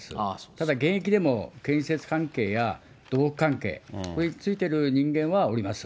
ただ現役でも、建設関係や土木関係、についてる人間はおります。